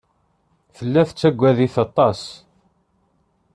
Tella tettagad-it aṭas.